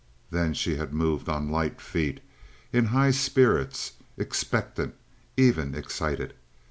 Then she had moved on light feet, in high spirits, expectant, even excited.